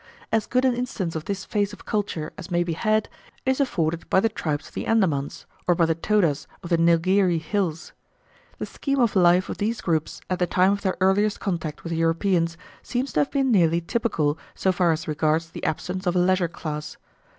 As good an instance of this phase of culture as may be had is afforded by the tribes of the Andamans, or by the Todas of the Nilgiri Hills. The scheme of life of these groups at the time of their earliest contact with Europeans seems to have been nearly typical, so far as regards the absence of a leisure class.